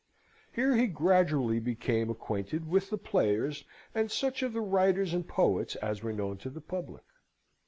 Here he gradually became acquainted with the players and such of the writers and poets as were known to the public.